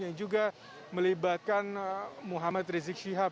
yang juga melibatkan muhammad rizik syihab